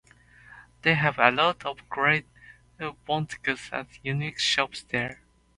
They have a lot of great boutiques and unique shops there.